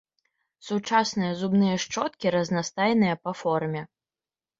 Сучасныя зубныя шчоткі разнастайныя па форме.